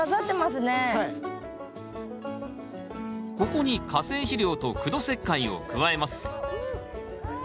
ここに化成肥料と苦土石灰を加えます。